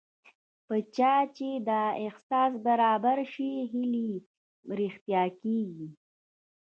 په چا چې دا احساس برابر شي هیلې یې رښتیا کېږي